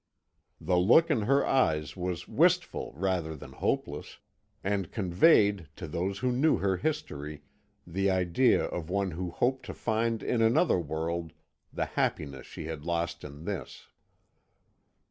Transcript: The look in her eyes was wistful rather than hopeless, and conveyed, to those who knew her history, the idea of one who hoped to find in another world the happiness she had lost in this.